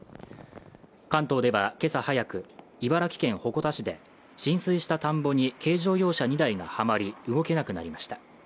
関東では、けさ早く、茨城県鉾田市で浸水した田んぼに軽乗用車２台がはまり動けなくなりました。